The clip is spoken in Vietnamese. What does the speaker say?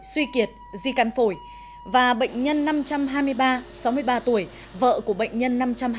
suy kiệt di căn phổi và bệnh nhân năm trăm hai mươi ba sáu mươi ba tuổi vợ của bệnh nhân năm trăm hai mươi